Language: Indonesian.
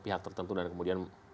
pihak tertentu dan kemudian